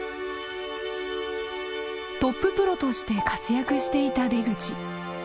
トッププロとして活躍していた出口。